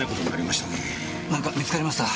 何か見つかりました？